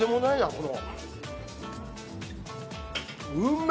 この。